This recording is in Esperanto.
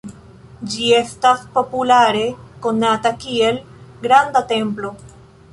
Ĝi estas populare konata kiel "granda templo".